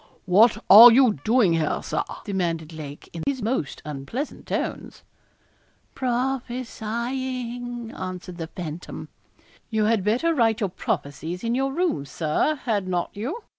'What are you doing here, Sir?' demanded Lake, in his most unpleasant tones. 'Prophesying,' answered the phantom. 'You had better write your prophecies in your room, Sir had not you?